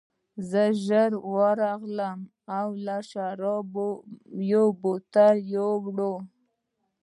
زه ژر ورغلم او د شرابو بوتل مې راوړ